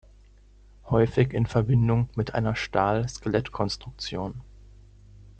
Häufig in Verbindung mit einer Stahl-Skelettkonstruktion.